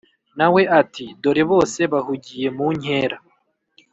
nawe ati"dore bose bahugiye munkera